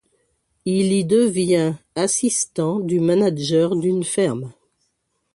Il y devient assistant du manager d'une ferme.